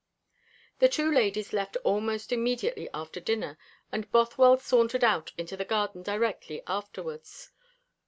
The two ladies left almost immediately after dinner, and Bothwell sauntered out into the garden directly afterwards.